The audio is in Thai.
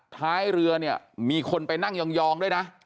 ท้ายเรือเนี่ยมีคนไปนั่งยองด้วยนะ